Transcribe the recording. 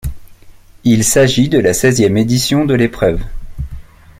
Il s'agit de la seizième édition de l'épreuve.